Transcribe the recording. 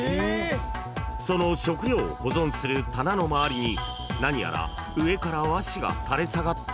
［その食料を保存する棚の周りに何やら上から和紙が垂れ下がっています］